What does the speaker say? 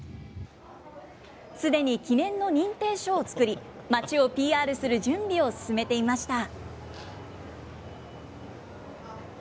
すでに記念の認定書を作り、町をＰＲする準備を進めていました。